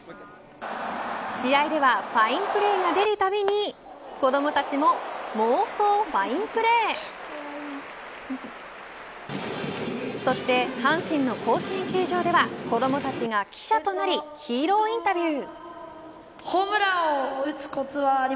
試合ではファインプレーが出るたびに子どもたちも妄想ファインプレー．そして阪神の甲子園球場では子どもたちが記者となりヒーローインタビュー。